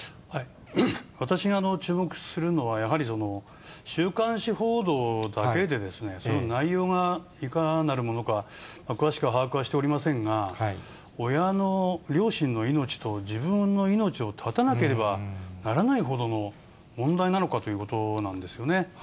私が注目するのは、やはり週刊誌報道だけでですね、その内容がいかなるものか、詳しくは把握はしておりませんが、親の、両親の命と自分の命を絶たなければならないほどの問題なのかということなんですよね。